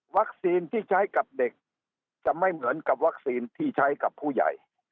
ที่ใช้กับเด็กจะไม่เหมือนกับวัคซีนที่ใช้กับผู้ใหญ่